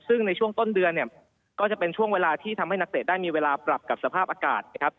ซึ่งในช่วงต้นเดือนเนี่ยก็จะเป็นช่วงเวลาที่ทำให้นักเตะได้มีเวลาปรับกับสภาพอากาศนะครับ